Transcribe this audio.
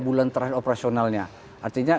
bulan terakhir operasionalnya artinya